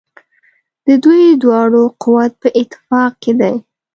د دوی دواړو قوت په اتفاق کې دی.